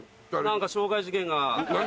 何か傷害事件が。